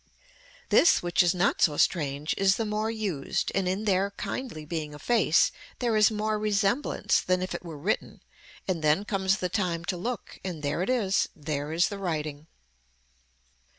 This which is not so strange is the more used and in there kindly being a face there is more resemblance than if it were written and then comes the time to look and there it is, there is the writing.